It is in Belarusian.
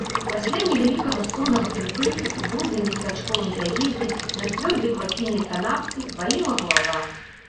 Пасля невялікага соннага прыпынку ў брудным местачковым заездзе, на цвёрдай клапінай канапцы, балела галава.